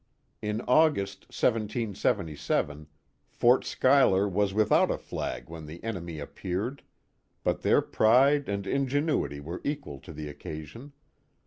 In August, 1777, Fort Schuyler was without a flag when the enemy ap peared, but their pride and ingenuity were equal to the occa sion.